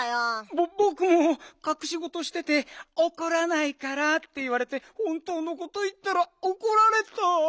ぼぼくもかくしごとしてて「おこらないから」っていわれてほんとうのこといったらおこられた。